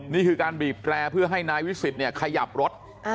นี่คือการบีบแตรเพื่อให้นายวิสิตเนี่ยขยับรถ